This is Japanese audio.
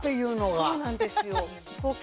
そうなんですよ。